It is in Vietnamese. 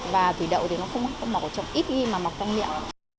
và thủy đậu thì nó không có mọc ở trong ít ghi mà mọc trong miệng